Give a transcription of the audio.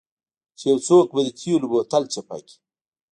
چې یو څوک به د تیلو بوتل چپه کړي